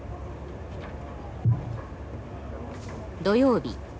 土曜日